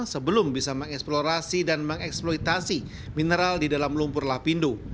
sebelum bisa mengeksplorasi dan mengeksploitasi mineral di dalam lumpur lapindo